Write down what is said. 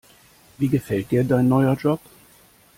Wie gefällt dir dein neuer Job?